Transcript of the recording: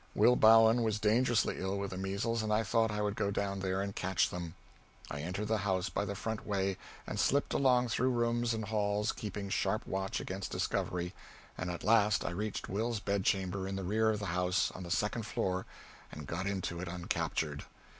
Will Bowen was dangerously ill with the measles and I thought I would go down there and catch them. I entered the house by the front way and slipped along through rooms and halls, keeping sharp watch against discovery, and at last I reached Will's bed chamber in the rear of the house on the second floor and got into it uncaptured.